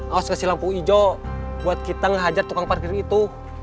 harus kasih lampu hijau buat kita ngehajar tukang parkir itu